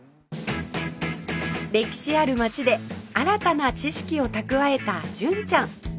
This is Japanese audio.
歴史ある街で新たな知識を蓄えた純ちゃん